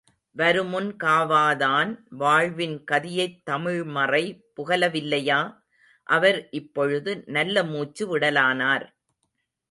வருமுன் காவாதான் வாழ்வின் கதியைத் தமிழ்மறை புகலவில்லையா?... அவர் இப்பொழுது நல்லமூச்சு விடலானார்.